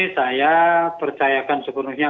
saya percayakan sepenuhnya